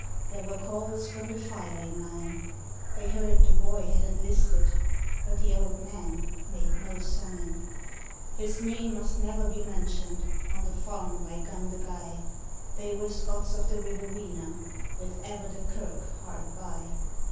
There were calls from the firing line; They heard the boy had enlisted, but the old man made no sign. His name must never be mentioned on the farm by Gundagai They were Scots of the Riverina with ever the kirk hard by.